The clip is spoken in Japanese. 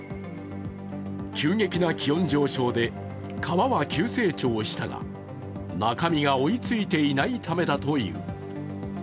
急激な気温上昇で皮は急成長したが、中身が追いついていないためだという。